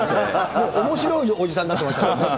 もうおもしろいおじさんになってましたからね。